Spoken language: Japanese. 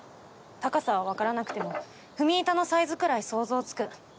高さは分からなくても踏み板のサイズくらい想像つく。